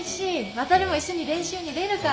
航も一緒に練習に出るから。